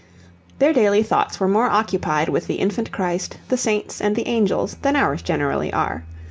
Their daily thoughts were more occupied with the Infant Christ, the saints, and the angels, than ours generally are.